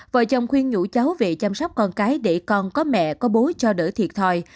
vợ chồng khuyên nhủ cháu về chăm sóc con cái để con có mẹ có bố cho đỡ thiệt thòi